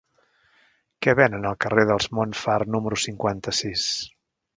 Què venen al carrer dels Montfar número cinquanta-sis?